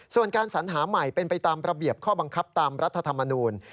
ส่วนการสัญหาใหม่เป็นไปตามระเบียบข้อบังคับตามรัฐธรรมนูล